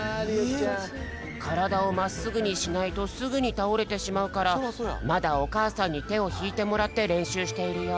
からだをまっすぐにしないとすぐにたおれてしまうからまだおかあさんにてをひいてもらってれんしゅうしているよ。